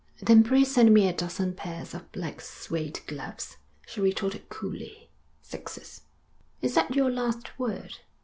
'Then pray send me a dozen pairs of black suède gloves,' she retorted coolly. 'Sixes.' 'Is that your last word?'